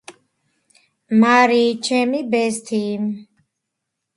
მარიიიიიიიიიი ჩემიიი ბესთიიიიი